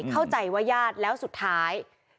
เข้าใจว่าญาติแล้วสุดท้าย